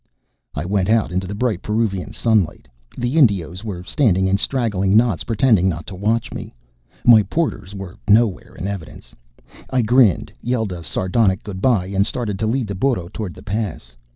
I went out into the bright Peruvian sunlight. The Indios were standing in straggling knots, pretending not to watch me. My porters were nowhere in evidence. I grinned, yelled a sardonic goodbye, and started to lead the burro toward the Pass.